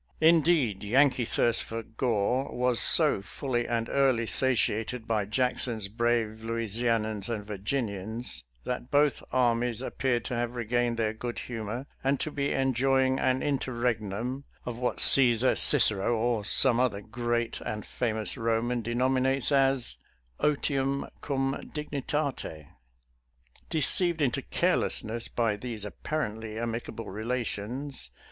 Indeed, Yankee thirst for gore was so fully and early satiated by Jackson's brave Louis ianians and Virginians, that both armies ap peared to have regained their good humor and to be enjoying an interregnum of what Caesar, Cicero, or some other great and famous Eoman, , denominates as " otium cum dignitate." Deceived ■ into carelessness by these apparently amicable relations.